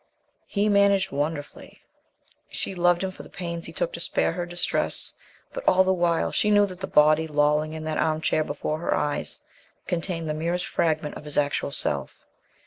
He managed wonderfully; she loved him for the pains he took to spare her distress; but all the while she knew that the body lolling in that armchair before her eyes contained the merest fragment of his actual self.